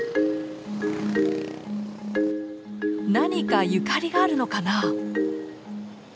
何かゆかりがあるのかな？